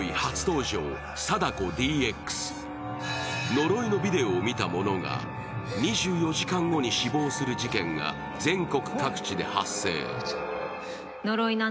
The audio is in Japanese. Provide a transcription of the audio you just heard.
呪いのビデオを見た者が２４時間後に死亡する事件が全国各地で発生。